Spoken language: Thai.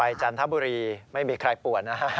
จันทบุรีไม่มีใครป่วนนะฮะ